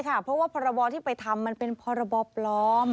เพราะว่าพรบที่ไปทำมันเป็นพรบปลอม